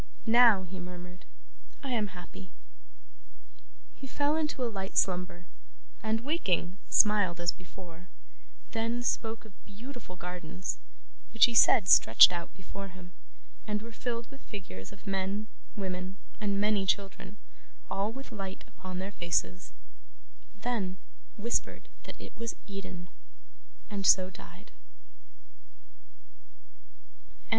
'Now,' he murmured, 'I am happy.' He fell into a light slumber, and waking smiled as before; then, spoke of beautiful gardens, which he said stretched out before him, and were filled with figures of men, women, and many children, all with light upon their faces; then, whispered that it was Eden and so died.